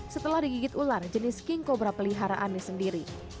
setelah digigit ular jenis king cobra peliharaannya sendiri